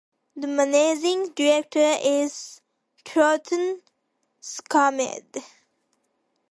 The managing director is Thorsten Schmidt.